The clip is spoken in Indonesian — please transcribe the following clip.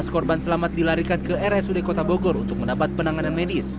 tiga belas korban selamat dilarikan ke rsud kota bogor untuk mendapat penanganan medis